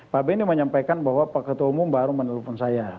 pak benny menyampaikan bahwa pak ketua umum baru menelpon saya